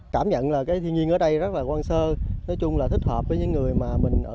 cảm nhận là cái thiên nhiên ở đây rất là quan sơ nói chung là thích hợp với những người mà mình ở